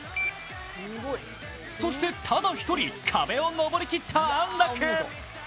そしてただ一人壁を登りきった安楽。